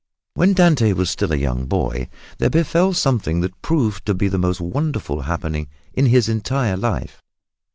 When Dante was still a young boy there befell something that proved to be the most wonderful happening in his entire life.